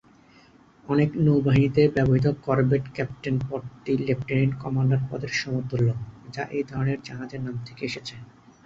অনেক নৌবাহিনীতে ব্যবহৃত কর্ভেট ক্যাপ্টেন পদটি লেফটেন্যান্ট কমান্ডার পদের সমতুল্য যা এই ধরনের জাহাজের নাম থেকে এসেছে।